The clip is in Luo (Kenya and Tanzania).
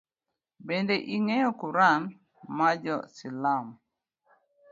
Bende ing’eyo kuran mar jo silam